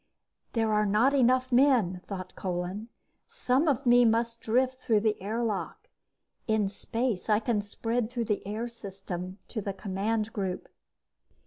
There are not enough men, thought Kolin. _Some of me must drift through the airlock. In space, I can spread through the air system to the command group.